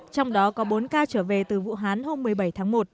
trong đó có bốn ca trở về từ vũ hán hôm một mươi bảy tháng một